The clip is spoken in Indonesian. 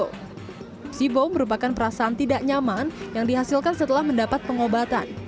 sibo merupakan perasaan tidak nyaman yang dihasilkan setelah mendapat pengobatan